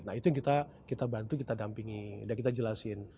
nah itu yang kita bantu kita dampingi dan kita jelasin